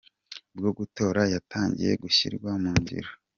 bwo gutora yatangiye gushyirwa mu ngiro.